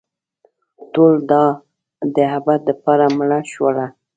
ټول دابد دپاره مړه شوله